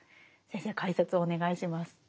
先生解説をお願いします。